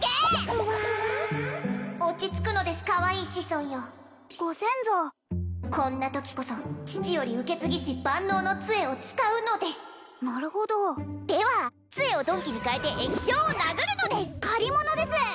ふわ落ち着くのですかわいい子孫よご先祖こんなときこそ父より受け継ぎし万能の杖を使うのですなるほどでは杖を鈍器に変えて液晶を殴るのです借りものです！